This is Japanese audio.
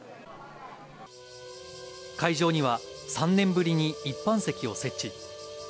会場には３年ぶりに一般席を設置。